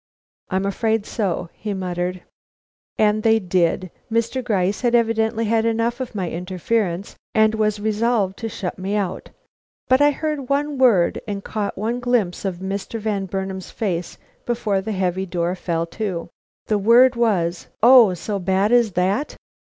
"I'm afraid so," he muttered. And they did. Mr. Gryce had evidently had enough of my interference, and was resolved to shut me out, but I heard one word and caught one glimpse of Mr. Van Burnam's face before the heavy door fell to. The word was: "Oh, so bad as that!